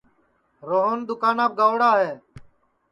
روہن دُؔکاناپ گئوڑا ہے